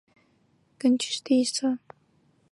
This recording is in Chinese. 盐阜抗日根据地设。